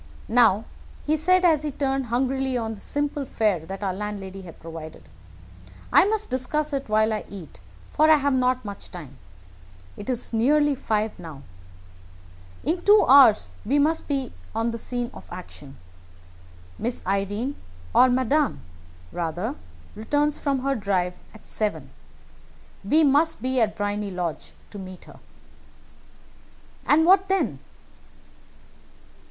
Now," he said, as he turned hungrily on the simple fare that our landlady had provided, "I must discuss it while I eat, for I have not much time. It is nearly five now. In two hours we must be on the scene of action. Miss Irene, or Madame, rather, returns from her drive at seven. We must be at Briony Lodge to meet her." "And what then?"